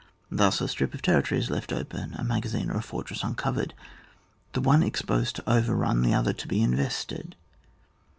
Thus a strip of territory is left open ; a magazine or a fortress uncovered : the one exposed to be overrun, the other to be invested.